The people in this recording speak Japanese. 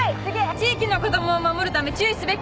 地域の子供を守るため注意すべきことは何か？